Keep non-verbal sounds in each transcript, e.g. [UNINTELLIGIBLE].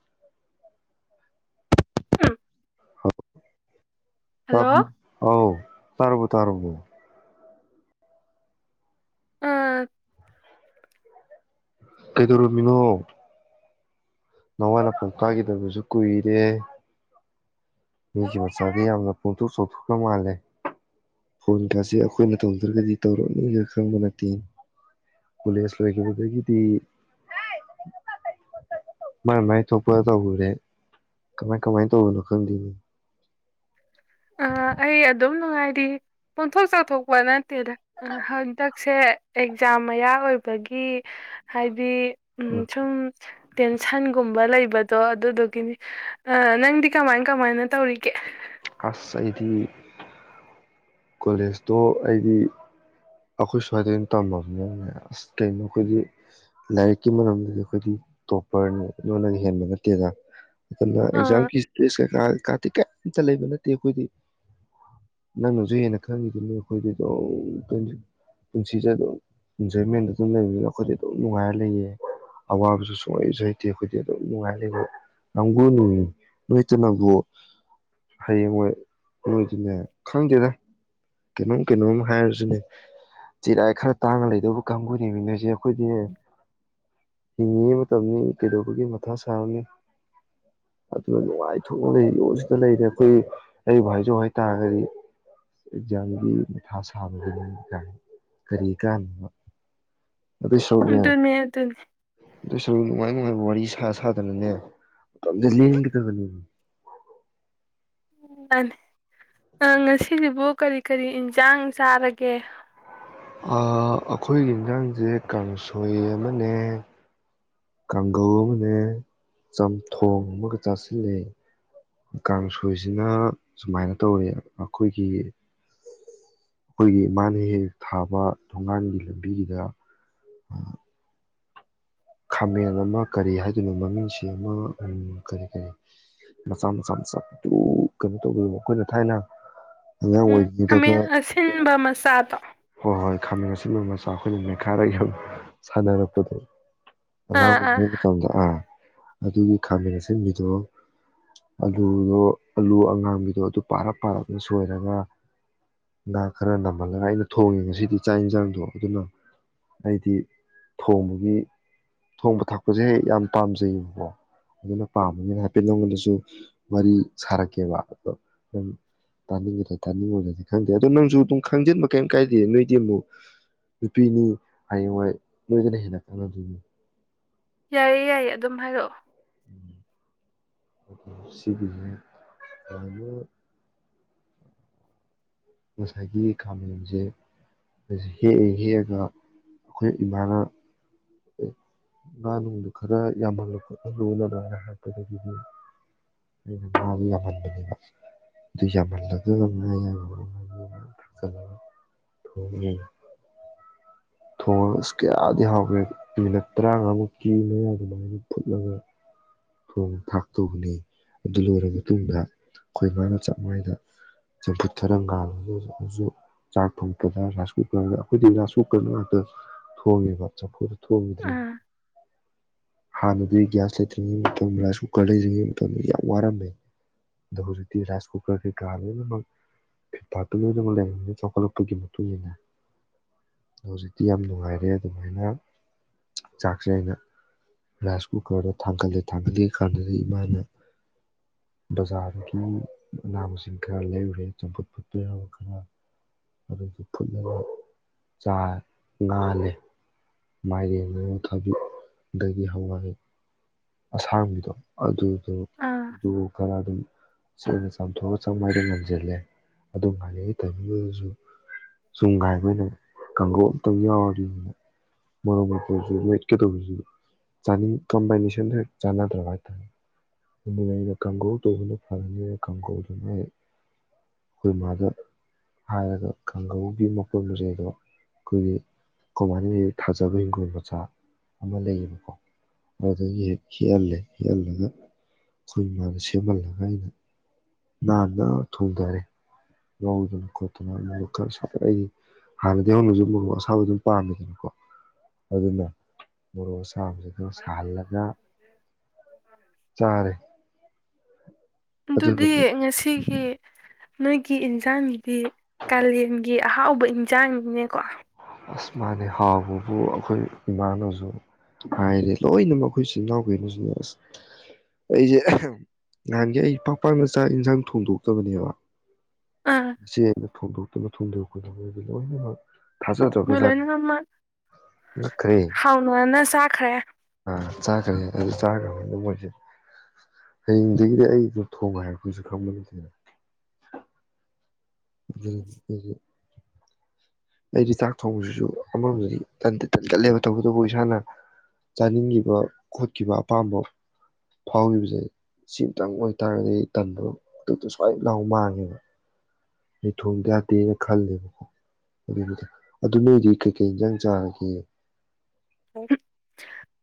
[UNINTELLIGIBLE] [UNINTELLIGIBLE] Hello [UNINTELLIGIBLE] ꯑꯥꯎ ꯇꯥꯔꯕꯣ ꯇꯥꯔꯕꯣ꯫ ꯑꯥ꯫ ꯀꯩꯗꯧꯔꯝꯃꯤꯅꯣ꯫ ꯅꯋꯥ ꯅꯄꯥꯎ ꯇꯥꯒꯤꯗꯕꯖꯨ ꯀꯨꯏꯔꯦ꯫ ꯃꯤꯒꯤ ꯇꯧꯔꯛꯑꯣ ꯃꯆꯥꯗꯤ ꯌꯥꯔꯦ ꯌꯥꯝꯅ ꯄꯣꯡꯊꯣꯛ ꯆꯥꯎꯊꯣꯛꯈꯔ ꯃꯥꯜꯂꯦ ꯐꯣꯟꯒꯥꯁꯦ ꯑꯩꯈꯣꯏꯅ ꯇꯧꯗ꯭ꯔꯒꯗꯤ ꯇꯧꯔꯛꯅꯤꯒ ꯈꯪꯕ ꯅꯠꯇꯦ ꯀꯣꯂꯦꯖ ꯂꯣꯏꯈꯤꯕꯗꯒꯤꯗꯤ ꯍꯥꯏ [UNINTELLIGIBLE] ꯃꯥꯏ ꯃꯥꯏ ꯊꯣꯛꯄ ꯇꯧꯔꯨꯔꯦ ꯀꯃꯥꯏ ꯀꯃꯥꯏ ꯇꯧꯕꯅꯣ ꯈꯪꯗꯦꯅꯦ꯫ ꯑ ꯑꯩ ꯑꯗꯨꯝ ꯅꯨꯡꯉꯥꯏꯔꯤ ꯄꯣꯡꯊꯣꯛ ꯆꯥꯎꯊꯣꯛꯄ ꯅꯠꯇꯦꯗ ꯍꯟꯗꯛꯁꯦ ꯑꯦꯛꯖꯥꯝ ꯃꯌꯥ ꯑꯣꯏꯕꯒꯤ ꯍꯥꯏꯗꯤ ꯎꯝ ꯁꯨꯝ ꯇꯦꯟꯁꯟꯒꯨꯝꯕ ꯂꯩꯕꯗꯣ ꯑꯗꯨꯗꯨꯒꯤꯅꯤ ꯑ ꯅꯪꯗꯤ ꯀꯃꯥꯏ ꯀꯃꯥꯏꯅ ꯇꯧꯔꯤꯒꯦ꯫ ꯑꯁ ꯑꯩꯗꯤ ꯀꯣꯂꯦꯖꯇꯣ ꯑꯩꯗꯤ ꯑꯩꯈꯣꯏ ꯁꯋꯥꯏꯗ ꯑꯣꯏꯅ ꯇꯝꯃꯕꯅꯤꯅꯅꯦ ꯑꯁ ꯀꯩꯅꯣ ꯑꯩꯈꯣꯏꯗꯤ ꯂꯥꯏꯔꯤꯛꯀꯤ ꯃꯔꯝꯗꯗꯤ ꯑꯩꯈꯣꯏꯗꯤ ꯇꯣꯞꯄꯔꯅꯦ ꯅꯣꯏꯅꯒ ꯍꯦꯟꯕ ꯅꯠꯇꯦꯗ꯫ ꯑꯗꯨꯅ ꯑꯥ ꯑꯦꯛꯖꯥꯝꯒꯤ ꯏꯁꯇꯦꯁ ꯀꯩꯀꯥ ꯀꯥꯇꯤ ꯀꯌꯤꯝ ꯑꯝꯇꯥ ꯂꯩꯕ ꯅꯠꯇꯦ ꯑꯩꯈꯣꯏꯗꯤ ꯅꯪꯅ ꯖꯨ ꯍꯦꯟꯅ ꯈꯪꯉꯤꯗꯨꯅꯤ ꯑꯩꯈꯣꯏꯗꯤ ꯑꯗꯨꯝ ꯄꯨꯟꯁꯤꯖꯦ ꯑꯗꯨꯝ ꯏꯟꯖꯣꯏꯃꯦꯟ ꯑꯗꯨꯝ ꯂꯩꯕꯅꯤꯅ ꯑꯩꯈꯣꯏꯗꯤ ꯑꯗꯨꯝ ꯅꯨꯡꯉꯥꯏꯔ ꯂꯩꯌꯦ ꯑꯋꯥꯕꯖꯨ ꯁꯨꯡꯍꯩꯖꯨ ꯍꯩꯇꯦ ꯑꯩꯈꯣꯏꯗꯤ ꯑꯗꯨꯝ ꯅꯨꯡꯉꯥꯏꯔ ꯂꯩꯕ ꯀꯥꯡꯕꯨꯅꯦꯃꯦ ꯅꯣꯏꯇꯅꯕꯨ ꯍꯌꯦꯡ ꯍꯣꯏ ꯅꯣꯏꯗꯤꯅꯦ ꯈꯪꯗꯦꯗ ꯀꯩꯅꯣꯝ ꯀꯩꯅꯣꯝ ꯍꯥꯏꯔꯖꯤꯅꯦ ꯆꯤꯔꯥꯏ ꯈꯔ ꯇꯥꯡꯉ ꯂꯩꯗꯧꯕ ꯀꯥꯡꯒꯨꯅꯦꯃꯦ ꯅꯣꯏꯖꯦ ꯑꯩꯈꯣꯏꯗꯤ ꯍꯤꯡꯉꯤꯉꯩ ꯃꯇꯝꯅꯤ ꯀꯩꯗꯧꯕꯒꯤ ꯃꯊꯥ ꯁꯥꯔꯨꯅꯤ ꯑꯗꯨꯅ ꯅꯨꯡꯉꯥꯏꯊꯣꯛꯅ ꯂꯩꯌꯣꯁꯤꯗ ꯂꯩꯔꯦ ꯑꯩꯈꯣꯏ ꯑꯩꯕꯨ ꯍꯥꯏꯖꯧ ꯍꯥꯏꯇꯥꯔꯒꯗꯤ꯫ ꯑꯦꯛꯖꯥꯝꯒꯤ ꯃꯊꯥ ꯁꯥꯕ ꯀꯔꯤ ꯀꯥꯟꯅꯕ꯫ ꯑꯗꯨꯅꯦ ꯑꯗꯨꯅꯦ꯫ ꯑꯗꯨꯏꯁꯔꯨꯛ ꯅꯨꯡꯉꯥꯏ ꯅꯨꯡꯉꯥꯏꯕ ꯋꯥꯔꯤ ꯁꯥ ꯁꯥꯗꯅꯅꯦ ꯃꯇꯝꯖꯦ ꯂꯦꯟꯒꯗꯕꯅꯤ꯫ ꯃꯥꯅꯦ ꯑ ꯉꯁꯤꯖꯤꯕꯨ ꯀꯔꯤ ꯀꯔꯤ ꯏꯟꯖꯥꯡ ꯆꯥꯔꯒꯦ꯫ ꯑ ꯑꯩꯈꯣꯏꯒꯤ ꯌꯦꯟꯖꯥꯡꯖꯦ ꯀꯥꯡꯁꯣꯏ ꯑꯃꯅꯦ꯫ ꯀꯥꯡꯒꯧ ꯑꯃꯅꯦ ꯆꯝꯊꯣꯡ ꯑꯃꯒ ꯆꯥꯁꯤꯂꯦ ꯀꯥꯡꯁꯣꯏꯁꯤꯅ ꯁꯨꯃꯥꯏꯅ ꯇꯧꯋꯦ ꯑꯩꯈꯣꯏꯒꯤ ꯑꯩꯈꯣꯏꯒꯤ ꯏꯃꯥꯅ ꯍꯦꯛ ꯍꯦꯛ ꯊꯥꯕ ꯊꯣꯡꯒꯥꯟꯒꯤ ꯂꯝꯕꯤꯒꯤꯗ ꯈꯥꯃꯦꯟ ꯑꯃ ꯀꯔꯤ ꯍꯥꯏꯗꯣꯏꯅꯣ ꯃꯃꯤꯡꯁꯤ ꯑꯃ ꯀꯔꯤ ꯀꯔꯤ ꯃꯆꯥ ꯃꯆꯥ ꯃꯆꯥꯗꯨ ꯀꯩꯅꯣ ꯇꯧꯕ ꯃꯈꯣꯏꯅ ꯊꯥꯏꯅ ꯑꯉꯥꯡ ꯑꯣꯏꯔꯤꯉꯩꯗꯒ ꯍꯥꯃꯦꯜ ꯑꯁꯤꯜꯕ ꯃꯆꯥꯗꯣ꯫ ꯍꯣꯏ ꯍꯣꯏ ꯈꯥꯃꯦꯟ ꯑꯁꯤꯟꯕ ꯃꯆꯥ ꯑꯩꯈꯣꯏꯅ ꯃꯦꯈꯥꯏꯔ ꯌꯥꯝ ꯁꯥꯟꯅꯔꯛꯄꯗꯣ꯫ ꯑꯥ ꯑꯉꯥꯡ ꯑꯥ [UNINTELLIGIBLE] ꯃꯇꯝꯗꯣ ꯑ ꯑꯗꯨꯒꯤ ꯈꯥꯃꯦꯟ ꯑꯁꯤꯟꯕꯤꯗꯣ ꯑꯂꯨꯗꯣ ꯑꯂꯨ ꯑꯉꯥꯡꯕꯤꯗꯣ ꯑꯗꯨ ꯄꯥꯔꯞ ꯄꯥꯔꯞꯅ ꯁꯣꯏꯔꯒ ꯉꯥ ꯈꯔ ꯅꯝꯍꯜꯂꯒ ꯑꯩꯅ ꯊꯣꯡꯉꯦ ꯉꯁꯤꯗꯤ ꯆꯥꯛ ꯏꯟꯖꯥꯡꯗꯣ ꯑꯗꯨꯅ ꯑꯩꯗꯤ ꯊꯣꯡꯕꯒꯤ ꯊꯣꯡꯕ ꯊꯥꯛꯄꯖꯦ ꯌꯥꯝ ꯄꯥꯝꯖꯩꯕꯀꯣ ꯑꯗꯨꯅ ꯄꯥꯝꯕꯅꯤꯅ ꯍꯥꯏꯐꯦꯠ ꯅꯪꯉꯣꯟꯗꯖꯨ ꯋꯥꯔꯤ ꯁꯥꯔꯛꯀꯦꯕ ꯑꯗꯣ ꯅꯪ ꯇꯥꯅꯤꯡꯒꯗ꯭ꯔ ꯇꯥꯅꯤꯡꯉꯣꯏꯗ꯭ꯔꯗꯤ ꯈꯪꯗꯦ ꯑꯗꯣ ꯅꯪꯖꯨ ꯑꯗꯨꯝ ꯈꯪꯖꯤꯟꯕ ꯀꯩꯝ ꯀꯥꯏꯗꯦ ꯅꯣꯏꯗꯤ ꯑꯃꯨꯛ ꯅꯨꯄꯤꯅꯤ ꯍꯌꯦꯡ ꯋꯥꯏ ꯅꯣꯏꯗꯅ ꯍꯦꯟꯅ ꯈꯪꯉꯗꯣꯏꯅꯤ꯫ ꯌꯥꯏꯌꯦ ꯌꯥꯏꯌꯦ ꯑꯗꯨꯝ ꯍꯥꯏꯔꯛꯑꯣ꯫ [UNINTELLIGIBLE] ꯉꯁꯥꯏꯒꯤ ꯈꯥꯃꯦꯟꯖꯦ [UNINTELLIGIBLE] ꯍꯦꯛꯑꯒ ꯑꯩꯈꯣꯏ ꯏꯃꯥꯅ ꯉꯥ ꯅꯨꯡꯗꯨ ꯈꯔ ꯌꯥꯝꯍꯜꯂꯨ ꯈꯣꯠꯍꯜꯂꯨꯅ ꯑꯗꯨꯃꯥꯏꯅ [UNINTELLIGIBLE] ꯍꯥꯏꯔꯛꯄꯗꯒꯤꯗꯤ ꯑꯩꯅ ꯉꯥꯗꯨ ꯌꯥꯝꯍꯟꯕꯅꯤꯗ ꯑꯗꯨ ꯌꯥꯝꯍꯜꯂꯒ [UNINTELLIGIBLE] ꯐꯖ ꯊꯣꯡꯉꯦ꯫ ꯊꯣꯡꯉꯒ ꯀꯌꯥꯗꯤ ꯍꯥꯎꯒꯔꯦ ꯃꯤꯅꯠ ꯇꯔꯥꯉꯥꯃꯨꯛꯀꯤ ꯃꯌꯥ ꯑꯗꯨꯃꯥꯏꯅ ꯐꯨꯠꯂꯒ ꯊꯣꯡ ꯊꯥꯛꯇꯧꯕꯅꯦ ꯑꯗꯨ ꯂꯣꯏꯔꯕ ꯃꯇꯨꯡꯗ ꯑꯩꯈꯣꯏ ꯃꯥꯅ ꯆꯥꯛ ꯃꯥꯏꯗ ꯆꯝꯐꯨꯠ ꯈꯔ ꯉꯥꯜꯂꯒꯖꯨ ꯆꯥꯛ ꯊꯣꯡꯄꯗ ꯔꯥꯏꯁ ꯀꯨꯀꯔ ꯑꯩꯈꯣꯏꯗꯤ ꯔꯥꯏ ꯀꯨꯛ ꯀꯔꯗ ꯉꯥꯛꯇ ꯊꯣꯡꯉꯦꯕ ꯆꯐꯨꯗ ꯊꯣꯡꯗ꯭ꯔꯤ ꯑꯥ ꯍꯥꯟꯅꯗꯤ ꯒ꯭ꯌꯥꯁ ꯂꯩꯇ꯭ꯔꯤꯉꯩ ꯃꯇꯝ ꯔꯥꯏꯁ ꯀꯨꯀꯔ ꯂꯩꯇ꯭ꯔꯤꯉꯩ ꯃꯇꯝꯗ ꯌꯥꯝ ꯋꯥꯔꯝꯃꯦ ꯑꯗꯣ ꯍꯧꯖꯤꯛꯇꯤ ꯔꯥꯏꯁ ꯀꯨꯀꯔ ꯀꯩꯀꯥ ꯂꯣꯏꯅꯃꯛ ꯐꯤꯠꯄꯥꯥꯔꯠꯇꯣ ꯂꯣꯏꯅꯃꯛ ꯂꯩꯔꯕꯝꯅꯤꯅ ꯆꯥꯎꯈꯠꯂꯛꯄꯒꯤ ꯃꯇꯨꯡ ꯏ ꯃꯇꯨꯡꯏꯟꯅ ꯍꯧꯖꯤꯛꯇꯤ ꯌꯥꯝ ꯅꯨꯡꯉꯥꯏꯔꯦ ꯑꯗꯨꯃꯥꯏꯅ ꯆꯥꯛꯁꯦ ꯑꯩꯅ ꯔꯥꯏꯁ ꯀꯨꯀꯔꯗ ꯊꯥꯡꯒꯠꯂꯦ ꯊꯥꯡꯒꯠꯂꯛꯑ ꯀꯥꯟꯗꯗꯤ ꯏꯃꯥꯅ ꯕꯖꯥꯔꯗꯒꯤ ꯃꯅꯥ ꯃꯁꯤꯡ ꯈꯔ ꯂꯩꯔꯨꯔꯦ ꯆꯝꯐꯨꯠ ꯐꯨꯠꯄ ꯌꯥꯕ ꯈꯔ ꯑꯗꯨꯗꯒꯤ ꯐꯨꯠꯂꯒ ꯆꯥ ꯉꯥꯂꯦ ꯃꯥꯏꯔ ꯑꯃ ꯊꯕꯤ ꯗꯗꯒꯤ ꯍꯋꯥꯏ ꯑꯁꯥꯡꯕꯤꯗꯣ ꯑꯗꯨ ꯑꯗꯣ ꯑꯥ ꯑꯗꯨ ꯈꯔ ꯑꯗꯨꯝ ꯁꯦꯡꯅ ꯆꯥꯝꯊꯣꯛꯑ ꯆꯥꯃꯏꯗ ꯉꯝꯁꯤꯜꯂꯦ ꯑꯗꯨ ꯉꯥꯏꯅꯩ ꯇꯝꯕꯤꯗꯨꯁꯨ ꯁꯨꯝ ꯉꯥꯏꯕ ꯑꯣꯏꯅ ꯀꯥꯡꯉꯧ ꯑꯝꯇꯡ ꯌꯥꯎꯔꯗꯤ ꯃꯣꯔꯣꯛ ꯃꯦꯠꯄꯖꯨ ꯃꯦꯠꯀꯗꯧꯕꯁꯤ ꯆꯥꯅꯤꯡ ꯀꯝꯕꯥꯏꯅꯦꯁꯟ ꯁ ꯍꯦꯛ ꯆꯥꯟꯅꯗ꯭ꯔꯕ ꯍꯥꯏꯇꯥꯔꯦ ꯑꯗꯨꯅ ꯑꯩꯅ ꯀꯥꯡꯒꯧ ꯇꯧꯕꯗ ꯐꯔꯅꯤꯅ ꯀꯥꯡꯒꯧꯗꯨꯅ ꯍꯦꯛ ꯑꯩꯈꯣꯏ ꯃꯥꯗ ꯍꯥꯏꯔꯒ ꯀꯥꯡꯒꯧꯒꯤ ꯃꯄꯨ ꯃꯁꯩ ꯑꯗꯣ ꯑꯩꯈꯣꯏꯒꯤ ꯀꯃꯥꯏꯅ ꯊꯥꯖꯕ ꯍꯤꯡꯒꯣꯜ ꯃꯆꯥ ꯑꯃ ꯂꯩꯌꯦꯕꯀꯣ ꯑꯗꯨꯗꯒꯤ ꯍꯦꯛ ꯍꯦꯛꯍꯜꯂꯦ ꯍꯦꯛꯍꯜꯂꯒ ꯑꯩꯈꯣꯏ ꯏꯃꯥꯗ ꯁꯦꯝꯍꯜꯂꯒ ꯑꯩꯅ ꯅꯥꯟꯅ ꯊꯣꯡꯊꯔꯦ ꯌꯥꯎꯗꯅ ꯈꯣꯠꯇꯅ ꯈꯔ ꯁꯥꯐꯠ ꯑꯩꯒꯤ ꯍꯥꯟꯅꯗꯒꯤ ꯍꯧꯅꯁꯨ ꯃꯣꯔꯣꯛ ꯑꯁꯥꯕ ꯑꯗꯨꯝ ꯄꯥꯝꯃꯦꯗꯅꯀꯣ ꯑꯗꯨꯅ ꯃꯣꯔꯣꯛ ꯑꯁꯥ ꯏꯁꯝꯁꯤꯗ ꯁꯥꯍꯜꯂꯒ ꯆꯥꯔꯦ ꯑꯗꯨꯗꯤ ꯑꯗꯨꯅꯗꯤ ꯉꯁꯤꯒꯤ ꯅꯣꯏꯒꯤ ꯏꯟꯖꯥꯡ ꯗꯤ ꯀꯥꯂꯦꯟꯒꯤ ꯑꯍꯥꯎꯕ ꯏꯟꯁꯥꯡꯅꯤꯅꯦꯀꯣ ꯑꯁ ꯃꯥꯅꯦ ꯍꯥꯎꯕꯕꯨ ꯑꯩꯈꯣꯏ ꯏꯃꯥꯅꯁꯨ ꯍꯥꯏꯔꯦ ꯂꯣꯏꯅꯃꯛ ꯑꯩꯈꯣꯏ ꯏꯆꯤꯟ ꯏꯅꯥꯎ ꯀꯩꯅꯣꯁꯤꯅꯦ ꯑꯁ ꯑꯩꯁꯦ ꯅꯍꯥꯟꯒꯤ ꯑꯩ ꯄꯥꯛꯄꯥꯛ ꯃ ꯆꯥꯛ ꯏꯟꯁꯥꯡ ꯊꯣꯡꯗꯣꯛꯇꯕꯅꯦꯕ ꯑꯥ ꯏꯆꯦꯅ ꯊꯣꯡ ꯑꯗꯨ ꯊꯨꯡꯗꯗꯤ ꯂꯣꯏꯅꯃꯛ ꯃꯣꯏ ꯊꯥꯖꯗ꯭ꯔꯖꯥꯠꯅꯤ ꯂꯣꯏꯅꯃꯛ ꯉꯛꯈ꯭ꯔꯦ ꯍꯥꯎꯅꯅ ꯆꯥꯈ꯭ꯔꯦ ꯑꯥ ꯆꯥꯈ꯭ꯔꯦ ꯑꯗꯨꯥ ꯆꯈ꯭ꯔꯦ ꯃꯣꯏꯁꯦ ꯍꯌꯦꯡꯗꯒꯤꯗꯤ ꯑꯩꯗ ꯊꯣꯡꯕ ꯍꯥꯏꯔꯛꯄꯁꯨ ꯈꯪꯕꯅꯠꯇꯦꯗ ꯎꯝ ꯎ ꯑꯩꯗꯤ ꯆꯥꯛ ꯊꯣꯡꯕꯁꯤꯁꯨ ꯑꯃꯔꯣꯝꯗꯗꯤꯗꯤ ꯇꯟꯒꯠꯂꯦꯕ ꯇꯧꯕꯇꯕꯨ ꯏꯁꯥꯅ ꯆꯥꯅꯤꯡꯈꯤꯕ ꯈꯣꯠꯈꯤꯕ ꯑꯄꯥꯝꯕ ꯐꯥꯎꯈꯤꯕꯁꯦ ꯁꯤꯃꯇꯪ ꯑꯣꯏꯇꯥꯔꯒꯗꯤ ꯑꯩ ꯇꯟꯕ ꯈꯨꯗꯛꯇ ꯁꯨꯋꯥꯏꯅ ꯂꯥꯎ ꯃꯥꯡꯉꯦꯕ ꯑꯩ ꯊꯣꯡꯗ ꯌꯥꯗꯦꯅ ꯈꯜꯂꯦꯕꯀꯣ ꯑꯗꯨ ꯑꯗꯨ ꯅꯣꯏꯗꯤ ꯀꯩꯀꯩ ꯏꯟꯖꯥꯡ ꯆꯥꯔꯒꯦ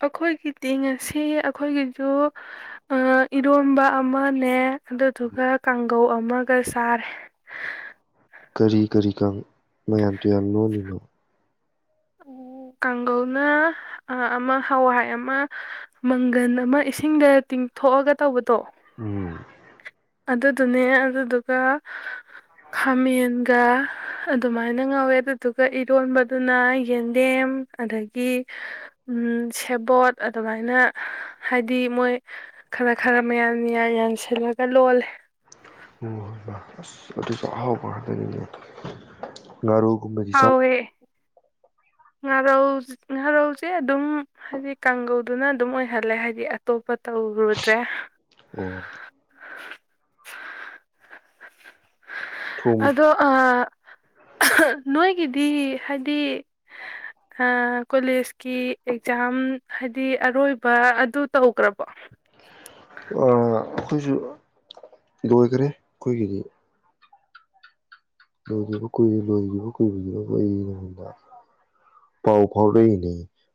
ꯑꯩꯈꯣꯏꯒꯤꯗꯤ ꯉꯁꯤ ꯑꯩꯈꯣꯏꯒꯤꯁꯨ ꯏꯔꯣꯝꯕ ꯑꯃꯅꯦ ꯑꯗꯨꯗꯨꯒ ꯀꯥꯡꯒꯧ ꯑꯃ ꯒꯆꯔꯦ ꯀꯔꯤ ꯀꯔꯤ ꯀ ꯃꯌꯥꯝ ꯇꯨꯌꯥ ꯂꯣꯜꯂꯤꯅꯣ ꯀꯥꯡꯒꯧꯅ ꯑꯃ ꯍꯋꯥꯏ ꯑꯃ ꯃꯪꯒꯟ ꯑꯃ ꯏꯁꯤꯡꯗ ꯇꯤꯡꯊꯣꯛꯑꯒ ꯇꯧꯕꯗꯣ ꯎꯝ ꯑꯗꯨꯗꯨꯅꯦ ꯑꯗꯨꯗꯨꯒ ꯈꯥꯃꯦꯟꯒ ꯑꯗꯨꯃꯥꯏꯅ ꯉꯧꯋꯦ ꯑꯗꯨꯗꯨꯒ ꯏꯔꯣꯟꯕꯗꯨꯅ ꯌꯦꯟꯗꯦꯝ ꯑꯗꯒꯤ ꯁꯦꯕꯣꯠ ꯑꯗꯨꯃꯥꯏꯅ ꯍꯥꯏꯗꯤ ꯃꯣꯏ ꯈꯔ ꯈꯔ ꯃꯌꯥꯟ ꯌꯥꯟ ꯁꯤꯜꯂꯛ ꯂꯣꯜ ꯑꯁ ꯑꯗꯨꯁꯨ ꯑꯍꯥꯎꯕ ꯉꯛꯇꯅꯤꯅꯦ ꯥꯉꯔꯧ ꯒꯨꯝꯕꯗꯤ ꯆꯥ ꯍꯥꯎꯋꯦ ꯉꯥꯔꯧ ꯉꯥꯔꯧꯁꯦ ꯑꯗꯨꯝ ꯍꯥꯏꯗꯤ ꯀꯥꯡꯒꯧꯗꯨꯅ ꯑꯗꯨꯝ ꯑꯣꯏꯍꯜꯂꯦ ꯍꯥꯏꯗꯤ ꯑꯇꯣꯞꯄ ꯇꯧꯔꯨꯗ꯭ꯔꯦ ꯑꯣ [UNINTELLIGIBLE] ꯊꯣꯡ [INAUDIBLE] ꯑꯣꯗꫭ ꯑꯥ [INAUDIBLE] ꯅꯣꯏꯒꯤꯗꯤ ꯍꯥꯏꯗꯤ ꯑ ꯀꯣꯂꯦꯖꯀꯤ ꯑꯦꯛꯖꯥꯝ ꯍꯥꯏꯗꯤ ꯑꯔꯣꯏꯕ ꯑꯗꯨ ꯇꯧꯒ꯭ꯔꯕꯣ ꯑ ꯑꯈꯣꯏꯖꯨ ꯂꯣꯏꯒꯔꯦ ꯑꯈꫭꯏꯒꯤꯗꯤ ꯂꯣꯏꯒꯤꯕ ꯀꯨꯏꯔꯦ ꯂꯣꯏꯒꯤꯕ ꯀꯨꯏꯈꯤꯕ ꯑꯩꯉꯣꯟꯗ ꯄꯥꯎ ꯐꯥꯎꯔꯛꯏꯅꯦ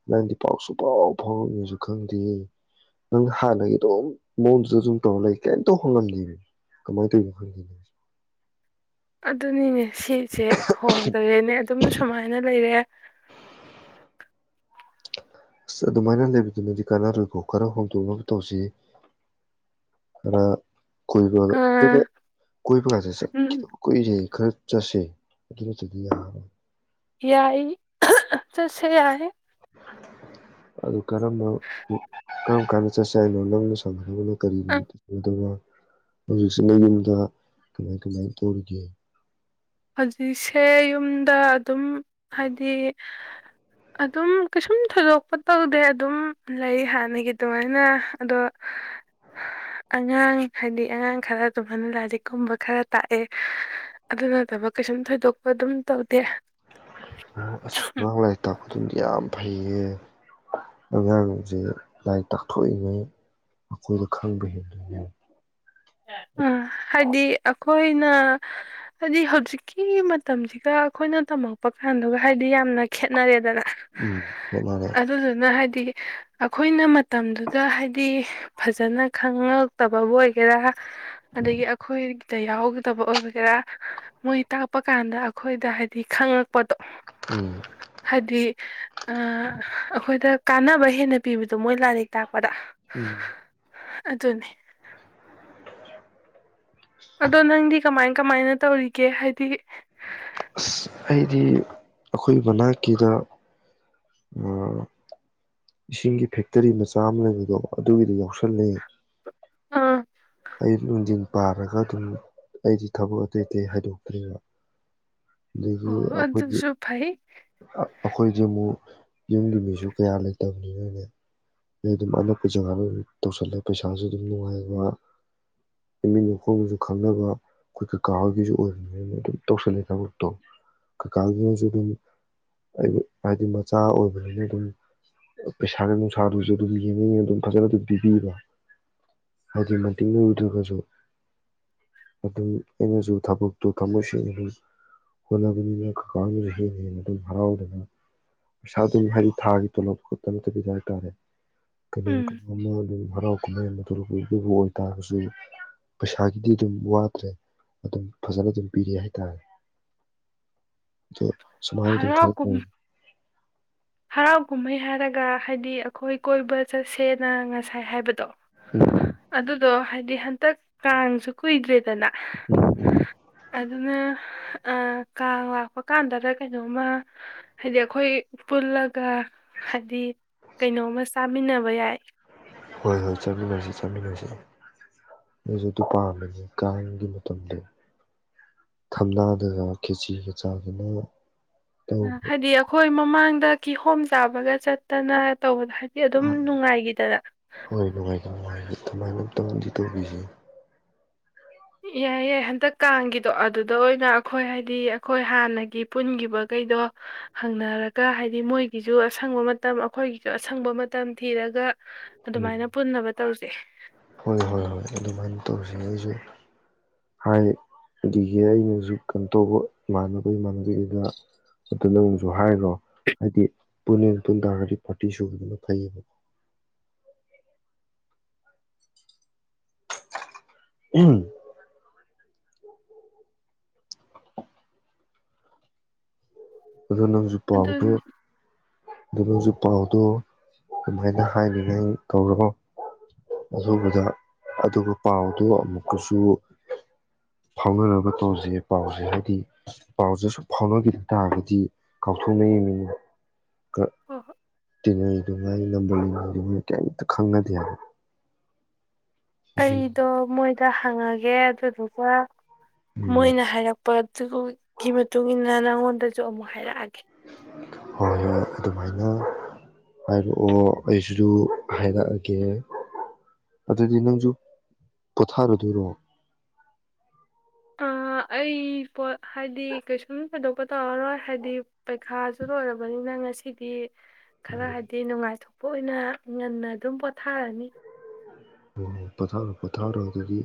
ꯅꯪꯗꯤ ꯄꯥꯎꯁꯨ ꯐꯥꯎ ꯐꯥꯎꯔꯛꯅꯦꯖꯨ ꯈꯪꯗꯦ ꯅꯪ ꯍꯥꯟꯅꯒꯤ ꯑꯗꯨꯝ ꯃꯑꯣꯡꯗꯨꯗ ꯑꯗꯨꯝ ꯇꯧꯔ ꯂꯩ ꯀꯩꯝꯇ ꯍꫭꯡꯉꯝ ꯗꯦꯅꯦ ꯀꯃꯥꯏꯅ ꯇꯧꯔꯤꯅꯣ ꯈꯪꯗꯦ ꯑꯗꯨꯅꯤꯅꯦ ꯁꯤꯁꯦ ꯍꯣꯡ ꯗꯔꯦꯅꯦ ꯑꯗꯨꯝ ꯁꯨꯃꯥꯏꯅ ꯂꯩꯔꯦ ꯑꯁ ꯑꯗꯨꯃꯥꯏꯅ ꯂꯩꯕꯗꯨꯅꯗꯤ ꯀꯥꯟꯅꯔꯣꯏꯀꯣ ꯈꯔ ꯍꯣꯡꯗꯣꯛꯅꯕ ꯇꯧꯖꯤ ꯌꯦ ꯈꯔ ꯀꯣꯏꯕ ꯑꯥ ꯀꫭꯏꯕ ꯀꯣꯏꯕꯒꯥꯖꯦ ꯎꯝ ꯆꯠꯈꯤꯗꯕ ꯀꯨꯏꯔꯦ ꯈꯔ ꯆꯠꯁꯦ ꯑꯗꯨ ꯅꯠꯇꯗꯤ ꯌꯥꯔꯔꯣꯏ ꯌꯥꯏ [UNINTELLIGIBLE] ꯆꯠꯁꯦ ꯍꯥꯏ ꯑꯗꯨ ꯀꯔꯝꯕ ꯀꯔꯝ ꯀꯥꯟꯗ ꯆꯠꯁꯦ ꯍꯥꯏꯅꯣ ꯅꯪꯅ ꯁꯪꯒꯗꯕ ꯀꯔꯤ ꯑ ꯅꯨꯃꯤꯠꯇ [UNINTELLIGIBLE] ꯍꯧꯖꯤꯛꯁꯤꯅ ꯌꯨꯝꯗ ꯀꯃꯥꯏ ꯀꯃꯥꯏ ꯇꯧꯔꯤꯒꯦ ꯍꯧꯖꯤꯛꯁꯦ ꯌꯨꯝꯗ ꯑꯗꯨꯝ ꯍꯥꯏꯗꯤ ꯑꯗꯨꯝ ꯀꯩꯁꯨꯝ ꯊꯣꯏꯗꯣꯛꯄ ꯇꯧꯗꯦ ꯑꯗꯨꯝ ꯂꯩ ꯍꯥꯟꯅꯒꯤ ꯑꯗꯨꯃꯥꯏꯅ ꯑꯗꯣ ꯑꯉꯥꯡ ꯍꯥꯏꯗꯤ ꯑꯉꯥꯡ ꯈꯔ ꯑꯗꯨꯃꯥꯏꯅ ꯂꯥꯏꯔꯤꯛꯀꯨꯝꯕ ꯈꯔ ꯇꯥꯛꯑꯦ ꯑꯗꯨꯅ ꯊꯕꯛ ꯀꯩꯁꯨꯝ ꯊꯣꯏꯗꯣꯛꯄ ꯑꯗꯨꯝ ꯇꯧꯗꯦ ꯑ ꯑꯁ ꯑꯉꯡ ꯂꯥꯏꯔꯤꯛ ꯇꯥꯛꯄ ꯐꯩꯌꯦ ꯑꯉꯥꯡꯖꯦ ꯂꯥꯏꯔꯤꯛ ꯇꯥꯛꯊꯣꯛꯏꯉꯩ ꯑꯈꯣꯏꯗ ꯈꯪꯕ ꯍꯦꯟꯗꫭꯏꯅꯦ ꯑ ꯍꯥꯏꯗꯤ ꯑ ꯑꯈꯣꯏꯅ ꯍꯥꯏꯗꯤ ꯍꯧꯖꯤꯛꯀꯤ ꯃꯇꯝꯖꯤꯒ ꯑꯩꯈꯣꯏꯅ ꯇꯝꯃꯛꯄ ꯀꯥꯟꯗꯨꯒ ꯍꯥꯏꯗꯤ ꯌꯥꯝꯅ ꯈꯦꯠꯅꯔꯦꯗꯅ ꯎꯝ ꯍꯣꯠꯅꯔꯦ ꯑꯗꯨꯗꯨꯅ ꯍꯥꯏꯗꯤ ꯑꯈꯣꯏꯅ ꯃꯇꯝꯗꯨꯗ ꯍꯥꯏꯗꯤ ꯐꯖꯅ ꯈꯉꯛꯇꯕꯕꯨ ꯑꯣꯏꯒꯦꯔꯥ ꯑꯗꯒꯤ ꯑꯩꯈꯣꯏꯗ ꯌꯥꯎꯒꯗꯕ ꯑꯣꯏꯕꯒꯦꯔꯥ ꯃꯣꯏ ꯇꯥꯛꯄ ꯀꯥꯟꯗ ꯑꯩꯈꯣꯏꯗ ꯍꯥꯏꯗꯤ ꯈꯉꯛ ꯄꯣꯠꯇꯣ ꯎꯝ ꯍꯥꯏꯗꯤ ꯑ ꯑꯈꯣꯏꯗ ꯀꯥꯟꯅꯕ ꯍꯦꯟꯅ ꯄꯤꯕꯗ ꯑꯗꯨ ꯃꯣꯏ ꯂꯥꯏꯔꯤꯛ ꯇꯥꯛꯄꯗ ꯎꯝ ꯑꯗꯨꯅꯦ ꯑꯗꯣ ꯅꯪꯗꯤ ꯀꯃꯥꯏ ꯀꯃꯥꯏꯅ ꯇꯧꯔꯤꯒꯦ ꯍꯥꯏꯗꯤ ꯑꯁ ꯑꯩꯗꯤ ꯑꯈꯣꯏ ꯃꯅꯥꯛꯀꯤꯗ ꯑ ꯏꯁꯤꯡꯒꯤ ꯐꯦꯛꯇꯔꯤ ꯃꯆꯥ ꯑꯃ ꯂꯩꯕꯗꯣ ꯑꯗꯨꯒꯤꯗꯤ ꯌꯥꯎ ꯁꯜꯂꯦ ꯑ ꯑꯌꯨꯛ ꯅꯨꯡꯗꯤꯜ ꯄꯥꯔꯒ ꯑꯗꯨꯝ ꯑꯩꯗꯤ ꯊꯕꯛ ꯑꯇꯩ ꯑꯇꯩ ꯍꯥꯏꯗꯣꯛꯇ꯭ꯔꯦꯕ ꯑꯗꯒꯤ ꯑꯣ ꯑꯈꯣꯏꯒꯤ ꯑꯗꯨꯁꯨ ꯐꯩ ꯑꯈꯣꯏꯖꯦ ꯑꯃꯨꯛ ꯌꯨꯝꯒꯤ ꯃꯤꯖꯨ ꯀꯌꯥ ꯂꯩꯇꯕꯅꯤꯅꯅꯦ ꯑꯩ ꯑꯗꯨꯝ ꯑꯅꯛꯄ ꯖꯒꯥꯗ ꯇꯧꯁꯜꯂꯦ ꯄꯩꯁꯥꯁꯨ ꯑꯗꯨꯝ ꯅꯨꯡꯉꯥꯏꯕ ꯏꯃꯤꯠꯅ ꯏꯈꯣꯡꯅꯖꯨ ꯈꯪꯅꯕ ꯑꯩꯈꯣꯏ ꯀꯩꯀꯥ ꯍꯣꯏꯒꯤꯁꯨ ꯑꯣꯏꯕꯅꯤꯅ ꯑꯗꯨꯝ ꯇꯧꯁꯜꯂꯦ ꯊꯕꯛꯇꯣ ꯀꯀꯥꯒꯤ ꯍꯥꯏꯖꯦ ꯑꯗꯨꯝ ꯍꯥꯏꯗꯤ ꯃꯆꯥ ꯑꯣꯏꯕꯅꯤꯅ ꯑꯗꯨꯝ ꯄꯩꯁꯥꯅ ꯅꯨꯡꯁꯥꯗꯨꯁꯨ ꯑꯗꯨꯝ ꯌꯦꯡꯉ ꯌꯦꯡꯉ ꯑꯗꯨꯝ ꯐꯖꯅ ꯑꯗꯨꯝ ꯄꯤꯕꯤꯕ ꯍꯥꯏꯗꯤ ꯃꯇꯤꯡ ꯅꯔꯨꯗ꯭ꯔꯒꯖꯨ ꯑꯗꯨꯝ ꯑꯩꯅꯖꯨ ꯊꯕꯛꯇꯣ ꯊꯃꯣꯏ ꯁꯦꯡꯅ ꯑꯗꯨꯝ ꯍꯣꯠꯅꯕꯅꯤꯅ ꯀꯀꯥꯅꯖꯨ ꯍꯦꯟꯅ ꯍꯦꯟꯅ ꯑꯗꯨꯝ ꯍꯔꯥꯎꯗꯅ ꯄꯩꯁꯥ ꯑꯗꯨꯝ ꯍꯥꯏꯗꯤ ꯊꯥꯒꯤ ꯇꯣꯂꯣꯄ ꯈꯛꯇ ꯅꯠꯇꯕꯤꯗ ꯍꯥꯏꯇꯥꯔꯦ ꯀꫭꯅꯥꯝ ꯎꯝ ꯀꫭꯅꫭꯝ ꯍꯔꯧ ꯀꯨꯝꯍꯩ ꯑꯗꯃ ꯑꯣꯏꯇꯥꯔꯒꯁꯨ ꯄꯩꯁꯥꯒꯤꯗꯤ ꯑꯗꯨꯝ ꯋꯥꯠꯇ꯭ꯔꯦ ꯑꯗꯨꯝ ꯐꯖꯅ ꯑꯗꯨꯝ ꯄꯤꯔꯤ ꯍꯥꯏꯇꯥꯔꯦ ꯁꯃꯥꯏ ꯇꯨ ꯍꯔꯥꯎ ꯈꯔꯗ ꯀꯨꯝ ꯍꯔꯥꯎ ꯀꯨꯝꯍꯩ ꯍꯥꯏꯔꯒ ꯍꯥꯏꯗꯤ ꯑꯩꯈꯣꯏ ꯀꯣꯏꯕ ꯆꯠꯁꯦꯅ ꯉꯁꯥꯏ ꯍꯥꯏꯕꯗꯣ ꯑꯗꯨꯗꯣ ꯍꯥꯏꯗꯤ ꯍꯟꯇꯛ ꯀꯥꯡꯁꯨ ꯀꯨꯏꯗ꯭ꯔꯦꯗꯅ ꯑꯗꯨꯅ ꯑ ꯀꯥꯡ ꯂꯥꯛꯄ ꯀꯥꯟꯗꯗ ꯀꯩꯅꯣꯝꯃ ꯍꯥꯏꯗꯤ ꯑꯩꯈꯣꯏ ꯄꯨꯜꯂꯛ ꯍꯥꯏꯗꯤ ꯀꯩꯅꯣꯝꯃ ꯆꯥ ꯆꯃꯤꯟꯅꯕ ꯌꯥꯏ ꯍꯣꯏ ꯍꯣꯏ ꯆꯠꯃꯤꯟꯅꯁꯤ ꯆꯠꯃꯤꯟꯅꯁꯤ ꯅꯁꯨ ꯑꯗꯨ ꯄꯥꯝꯕꯅꯦ ꯀꯥꯡꯒꯤ ꯃꯇꯝꯗꯣ ꯊꯝꯅꯥꯗꯒ ꯈꯦꯆꯒ ꯆꯥꯒꯤꯅ ꯍꯥꯏꯗꯤ ꯑꯩꯈꯣꯏ ꯃꯃꯥꯡꯗ ꯀꯤꯍꯣꯝ ꯆꯥꯕꯒ ꯆꯠꯇꯅ ꯇꯧꯕꯗ ꯍꯥꯏꯗꯤ ꯑꯗꯨꯝ ꯅꯨꯡꯉꯥꯏꯈꯤꯗꯅ ꯅꯨꯡ ꯀꯃꯥꯏꯅ ꯑꯝꯇꯪꯗꯤ ꯇꯧꯕꯤꯁꯤꯦ ꯌꯥꯏ ꯌꯥꯏ ꯍꯟꯗꯛ ꯀꯥꯡꯒꯤꯗꯣ ꯑꯗꯨꯗ ꯑꯣꯏꯅ ꯑꯩꯈꯣꯏ ꯍꯥꯏꯗꯤ ꯑꯩꯈꯣꯏ ꯍꯥꯟꯅꯒꯤ ꯄꯨꯟꯈꯤꯕꯈꯩꯗꯣ ꯍꯪꯅꯔꯒ ꯍꯥꯏꯗꯤ ꯃꯣꯏꯒꯤꯁꯨ ꯑꯁꯪꯕ ꯃꯇꯝ ꯑꯩꯈꯣꯏꯒꯤꯁꯨ ꯑꯁꯪꯕ ꯃꯇꯝ ꯊꯤꯔꯒ ꯎꯝ ꯑꯗꯨꯃꯥꯏꯅ ꯄꯨꯟꯅꯕ ꯇꯧꯁꯦ ꯍꯣꯏ ꯍꯣꯏ ꯍꯣꯏ ꯑꯗꯨꯃꯥꯏꯅ ꯇꯧꯁꯤ ꯑꯩꯁꯨ ꯍꯥꯏ ꯑꯗꯒꯤ ꯑꯩꯅꯁꯨ ꯀꯩꯅꯣ ꯇꯧꯕ ꯏꯃꯥꯟꯅꯕ ꯏꯃꯥꯟꯅꯕꯒꯤꯗ ꯑꯗꯨꯗꯪꯨꯛꯁꯨ ꯍꯥꯏꯔꯣ ꯍꯥꯏꯗꯤ ꯄꯨꯟꯅ ꯄꯨꯡ ꯇꯥꯔꯒꯗꯤ ꯄꯥꯔꯇꯤ ꯁꯨꯗꯨꯅꯣ ꯐꯩꯌꯦꯕꯀꯣ ꯎꯝ ꯑꯗꯣ ꯅꯪꯁꯨ ꯄꯥꯎꯈ꯭ꯔꯦ ꯑꯗꯨꯅꯤ ꯑꯗꯨ ꯅꯁꯨ ꯄꯥꯎꯗꯣ ꯑꯗꯨꯃꯥꯏꯅ ꯍꯥꯏꯅꯤꯡꯉꯥꯏ ꯀꯧꯔꯣ ꯑꯗꯨꯗ ꯑꯗꯨꯒ ꯄꯥꯎꯗꯣ ꯑꯃꯨꯛꯀꯁꯨ ꯐꯥꯎꯅꯔꯒ ꯇꯧꯁꯩ ꯄꯥꯎꯁꯦ ꯍꯥꯏꯗꯤ ꯄꯥꯎꯁꯦ ꯁꯨꯝ ꯐꯥꯎꯅꯈꯤꯗ ꯇꯥꯔꯒꯗꯤ ꯗꯤ ꯀꯥꯎꯊꯨꯝꯅ ꯃꯤ ꯀꯥ ꯍꯣꯏ ꯍꯣꯏ ꯇꯤꯉꯩꯗꯨꯉꯥꯏ ꯅꯕꯨꯣꯜꯉꯩꯗꯨꯉꯥꯏ ꯀꯩꯝꯇ ꯈꯪꯅꯗꯦ ꯍꯥꯏ ꯑꯩꯗꯣ ꯃꯣꯏꯗ ꯍꯪꯉꯒꯦ ꯑꯗꯨꯗꯨ [UNINTELLIGIBLE] ꯎꯝ ꯃꯣꯏꯅ ꯍꯥꯏꯔꯛꯄ ꯑꯗꯨꯒꯤ ꯃꯇꯨꯡ ꯃꯇꯨꯡꯏꯟꯅ ꯅꯣꯟꯗ ꯑꯃꯨꯛ ꯍꯥꯏꯔꯛꯑꯒꯦ ꯍꯣꯏ ꯍꯣꯏ ꯑꯗꯨꯃꯥꯏꯅ ꯍꯥꯏꯔꯛꯑꯣ ꯑꯩꯁꯨꯁꯨ ꯍꯥꯏꯔꯛꯑꯒꯦ ꯑꯗꯨꯗꯤ ꯅꯪꯁꯨ ꯄꯣꯊꯥꯔꯗꯣꯏꯔꯣ ꯑꯩ ꯄꯣꯠ ꯍꯥꯏꯗꯤ ꯀꯩꯁꯨꯝ ꯊꯣꯏꯗꯣꯛꯄ ꯇꯧꯔꯔꯣꯏ ꯍꯥꯏꯕꯗꯤ ꯄꯩꯈꯥꯁꯨ ꯂꯣꯏꯔꯕꯅꯤꯅ ꯉꯁꯤꯗꯤ ꯈꯔ ꯍꯥꯏꯗꯤ ꯅꯨꯡꯉꯥꯏꯊꯣꯛ ꯄꯣꯏ ꯑꯣꯏꯅ ꯉꯟꯅ ꯑꯗꯨꯝ ꯄꯣꯊꯥꯔꯅꯤ ꯑꯣ ꯄꯣꯊꯥꯔꯣ ꯄꯣꯊꯥꯔꯣꯗꯒꯤ